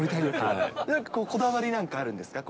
こだわりなんかあるんですか。